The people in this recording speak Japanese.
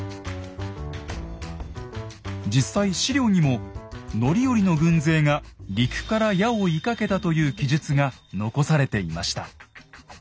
実際史料にも範頼の軍勢が陸から矢を射かけたという記述が残されていました。